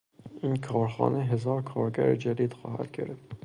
این کارخانه هزار کارگر جدید خواهد گرفت.